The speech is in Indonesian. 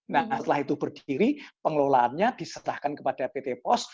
nah setelah itu berdiri pengelolaannya diserahkan kepada pt pos